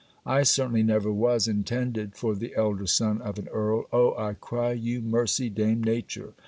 I certainly never was intended for the elder son of an Earl. Oh, I cry you mercy, Dame Nature!